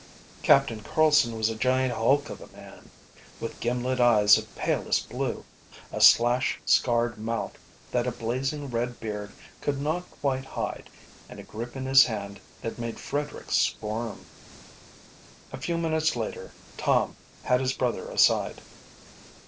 Captain Carlsen was a giant hulk of a man, with gimlet eyes of palest blue, a slash scarred mouth that a blazing red beard could not quite hide, and a grip in his hand that made Frederick squirm. A few minutes later, Tom had his brother aside.